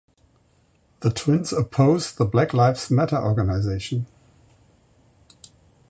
The twins oppose the Black Lives Matter organization.